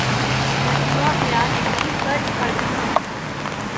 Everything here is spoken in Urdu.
مجموعہ خیال ابھی فرد فرد تھا